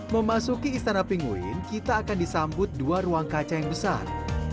memasuki istana penguin kita akan disambut dua ruang kaca yang besar